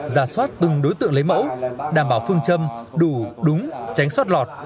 giả soát từng đối tượng lấy mẫu đảm bảo phương châm đủ đúng tránh soát lọt